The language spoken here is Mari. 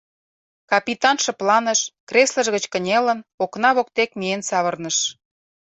Капитан шыпланыш, креслыж гыч кынелын, окна воктек миен савырныш.